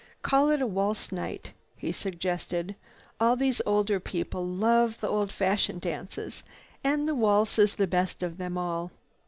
"Call it a waltz night," he suggested. "All these older people love the old fashioned dances and the waltz is the best of them all."